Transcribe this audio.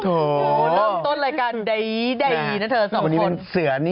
โถ่เริ่มต้นรายการได๋นะเธอสองคน